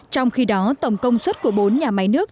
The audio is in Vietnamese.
trong khi đó tổng công suất của bốn nhà máy nước